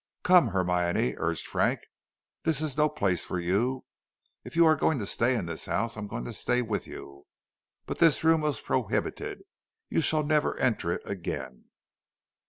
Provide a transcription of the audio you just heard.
"Come, Hermione," urged Frank, "this is no place for you. If you are going to stay in this house, I am going to stay with you; but this room is prohibited; you shall never enter it again."